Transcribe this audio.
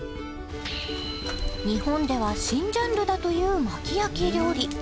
日本では新ジャンルだという薪焼き料理